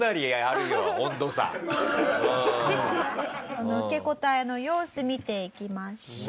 その受け答えの様子見ていきましょう。